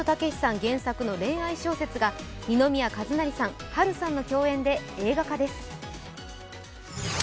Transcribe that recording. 原作の恋愛小説がにのみさん波瑠さんの共演で映画化です。